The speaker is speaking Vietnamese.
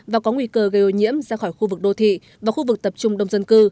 và có nguy cơ gây ô nhiễm ra khỏi khu vực đô thị và khu vực tập trung đông dân cư